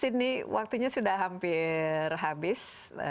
sini waktunya sudah hampir habis